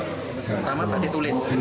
pertama batik tulis